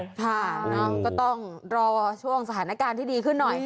ค่ะก็ต้องรอช่วงสถานการณ์ที่ดีขึ้นหน่อย